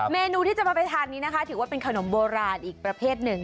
เมนูที่จะพาไปทานนี้นะคะถือว่าเป็นขนมโบราณอีกประเภทหนึ่ง